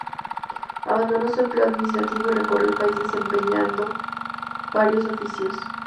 Abandonó su empleo administrativo y recorrió el país desempeñando varios oficios.